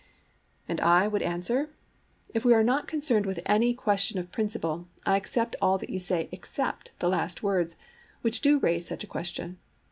And I would answer: 'If we are not concerned with any question of principle, I accept all that you say except the last words, which do raise such a question.